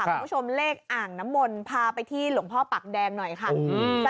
คุณผู้ชมเลขอ่างน้ำมนต์พาไปที่หลวงพ่อปากแดงหน่อยค่ะ